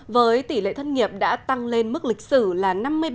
với tỷ lệ thất nghiệp đã tăng lên mức lịch sử là năm mươi ba